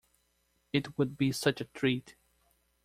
It would be such a treat!